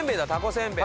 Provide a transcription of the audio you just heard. せんべい。